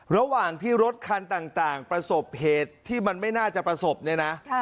ระหว่างที่รถคันต่างประสบเหตุที่มันไม่น่าจะประสบเนี่ยนะ